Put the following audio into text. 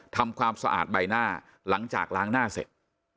ทำความสะอาดใบหน้าหลังจากล้างหน้าเสร็จ